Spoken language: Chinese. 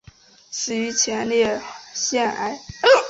死于前列腺癌。